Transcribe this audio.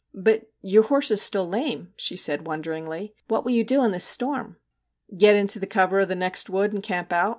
' But your horse is still lame/ she said won deringly. ' What will you do in this storm ?'* Get into the cover of the next wood and camp out.